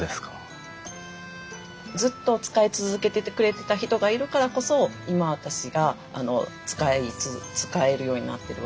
ずっと使い続けててくれてた人がいるからこそ今私が使えるようになってるわけで。